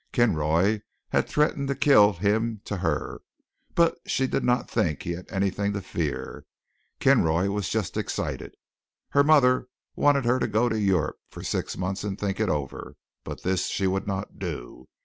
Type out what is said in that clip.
Kinroy had threatened to kill him to her, but she did not think he had anything to fear. Kinroy was just excited. Her mother wanted her to go to Europe for six months and think it over, but this she would not do.